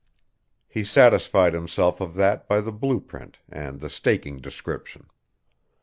He satisfied himself of that by the blue print and the staking description.